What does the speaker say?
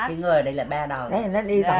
một năm nữa